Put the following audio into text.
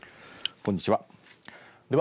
こんにちは。